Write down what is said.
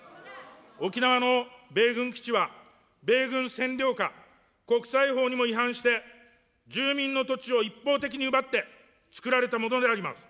沖縄の米軍基地は、米軍占領下、国際法にも違反して住民の土地を一方的に奪ってつくられたものであります。